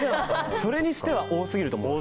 それにしては多過ぎると思う。